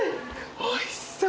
おいしそう。